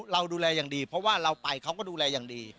เราดูแลอย่างดีเพราะว่าเราไปเขาก็ดูแลอย่างดี